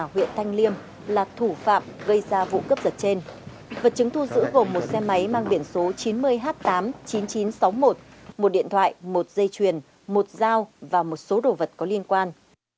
huyện thanh liêm là thủ phạm gây ra vụ cướp giật trên vật chứng thu giữ gồm một xe máy mang biển số chín mươi h tám mươi chín nghìn chín trăm sáu mươi một một điện thoại một dây chuyền một dao và một số đồ vật có liên quan